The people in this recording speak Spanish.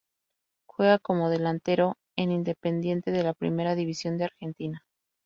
Juega como delantero en Independiente de la Primera División de Argentina.